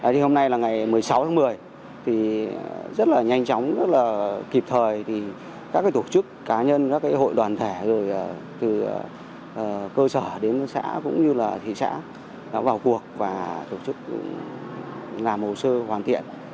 thì hôm nay là ngày một mươi sáu tháng một mươi thì rất là nhanh chóng rất là kịp thời thì các tổ chức cá nhân các hội đoàn thể rồi từ cơ sở đến xã cũng như là thị xã vào cuộc và tổ chức làm hồ sơ hoàn thiện